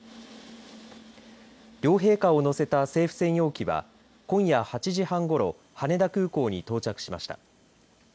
両陛下を乗せた政府専用機は今夜８時半ごろ羽田空港に到着しました。